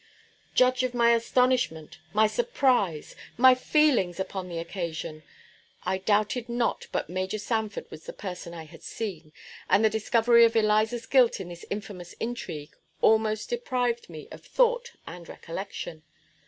Judge of my astonishment, my surprise, my feelings upon this occasion. I doubted not but Major Sanford was the person I had seen; and the discovery of Eliza's guilt in this infamous intrigue almost deprived me of thought and recollection.